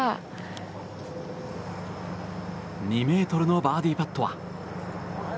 ２ｍのバーディーパットは。